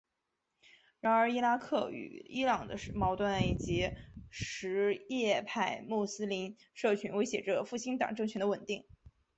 然而伊拉克与伊朗的矛盾以及什叶派穆斯林社群威胁着复兴党政权的稳定。